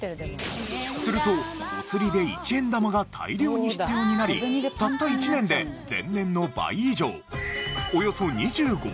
するとお釣りで１円玉が大量に必要になりたった一年で前年の倍以上およそ２５億円分が製造される事に。